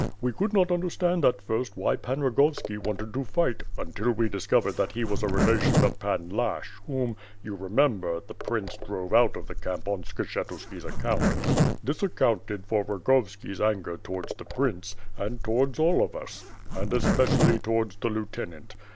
We could not under stand at first, why Pan Rogovski wanted to fight, until we discovered that he was a relation of Pan Lashch whom, you remember, the prince drove out of the camp on Skshetuski's account. This accounted for Rogovski's anger towards the prince, and towards all of us; and especially towards the lieu tenant.